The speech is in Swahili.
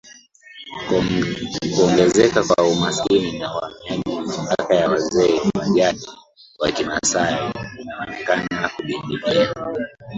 kuongezeka kwa umaskini na uhamiaji mamlaka ya wazee wa jadi wa Kimasai inaonekana kudidimia